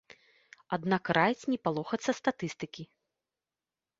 Аднак раіць не палохацца статыстыкі.